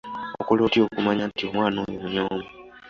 Okola otya okumanya nti omwana oyo munyoomi?